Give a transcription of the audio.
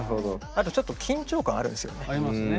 あとちょっと緊張感あるんですよね。ありますね。